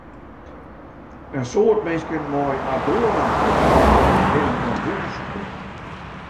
In soad minsken mei agorafoby binne oan hûs bûn.